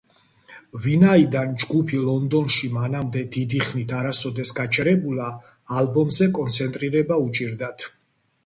ვინაიდან ჯგუფი ლონდონში მანამდე დიდი ხნით არასოდეს გაჩერებულა, ალბომზე კონცენტრირება უჭირდათ.